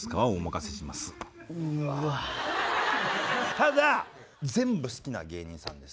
ただ全部好きな芸人さんです。